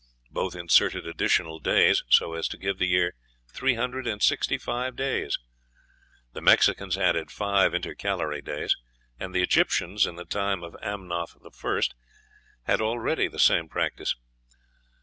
Both inserted additional days, so as to give the year three hundred and sixty five days. The Mexicans added five intercalary days; and the Egyptians, in the time of Amunoph I., had already the same practice.